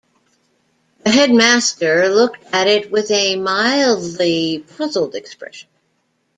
The headmaster looked at it with a mildly puzzled expression.